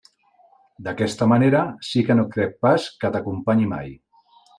D'aquesta manera, sí que no crec pas que t'acompanyi mai.